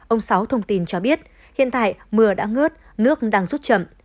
ông sáu thông tin cho biết hiện tại mưa đã ngớt nước đang rút chậm